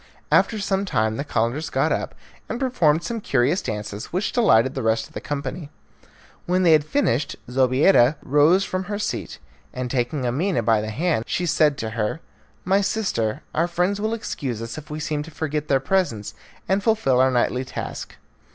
After some time the Calenders got up and performed some curious dances, which delighted the rest of the company. When they had finished Zobeida rose from her seat, and, taking Amina by the hand, she said to her, "My sister, our friends will excuse us if we seem to forget their presence and fulfil our nightly task."